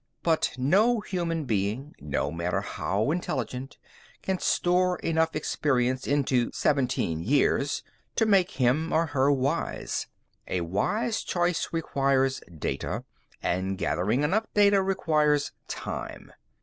But no human being, no matter how intelligent, can store enough experience into seventeen years to make him or her wise. A wise choice requires data, and gathering enough data requires time."